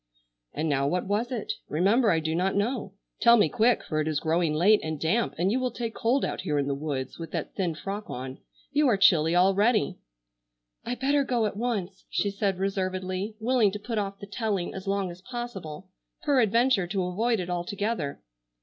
"And now what was it? Remember I do not know. Tell me quick, for it is growing late and damp, and you will take cold out here in the woods with that thin frock on. You are chilly already." "I better go at once," she said reservedly, willing to put off the telling as long as possible, peradventure to avoid it altogether.